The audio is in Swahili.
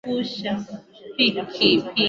Unaweza kunionyesha?